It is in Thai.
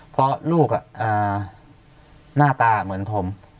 เพราะลูกหน้าตาเหมือนผม